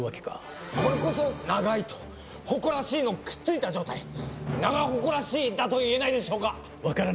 これこそ「長い」と「ほこらしい」のくっついたじょうたい「長ほこらしい」だといえないでしょうか。